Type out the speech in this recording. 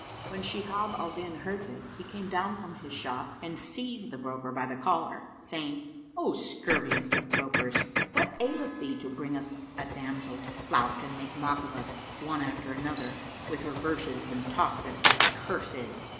'" When Shihab al Din heard this, he came down from his shop and seized the broker by the collar, saying, "O scurviest of brokers, what aileth thee to bring us a damsel to flout and make mock of us, one after other, with her verses and talk that a curse is?"